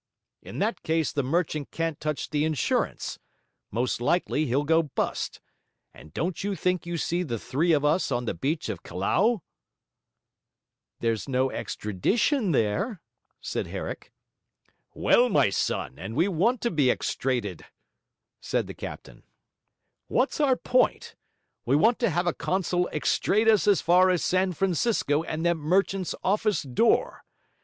In that case the merchant can't touch the insurance; most likely he'll go bust; and don't you think you see the three of us on the beach of Callao?' 'There's no extradition there,' said Herrick. 'Well, my son, and we want to be extraded,' said the captain. 'What's our point? We want to have a consul extrade us as far as San Francisco and that merchant's office door.